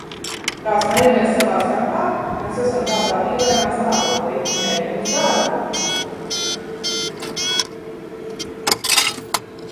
Kā smejamies savā starpā – mēs esam tādā dīvainā stāvoklī, neejam uz darbu.